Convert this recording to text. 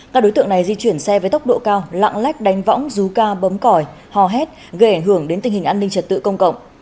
các đối tượng này di chuyển xe với tốc độ cao lạng lách đánh võng rú ca bấm còi hò hét gây ảnh hưởng đến tình hình an ninh trật tự công cộng